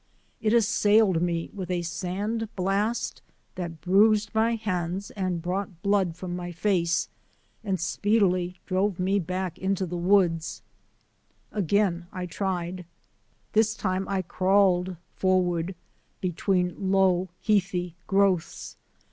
It assailed me with 8o THE ADVENTURES OF A NATURE GUIDE a sand blast which bruised my hands and brought blood from my face, and speedily drove me back into the woods. Again I tried. This time I crawled forward between low, heathy growths.